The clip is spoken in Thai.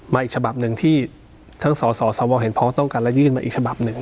อีกฉบับหนึ่งที่ทั้งสสวเห็นพ้องต้องการและยื่นมาอีกฉบับหนึ่ง